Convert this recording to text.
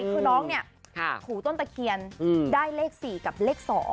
คือน้องเนี่ยถูต้นตะเคียนได้เลข๔กับเลข๒